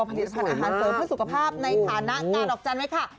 พันธุ์อาหารเติมเพื่อสุขภาพในฐานะการออกจันทร์ไหมคะ